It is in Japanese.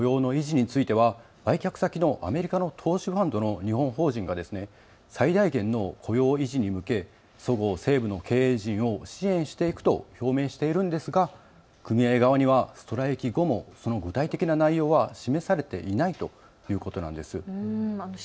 そして雇用の維持については売却先のアメリカの投資ファンドの日本法人は最大限の雇用維持に向けそごう・西武の経営陣を支援していくと表明しているんですが組合側にはストライキ後もその具体的な内容は示されていないということなんです。